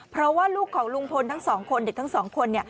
เพราะว่าลูกของลุงพลทั้งสองคนเด็กทั้งสองคน